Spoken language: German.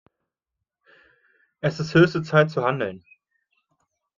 Es ist höchste Zeit zu handeln.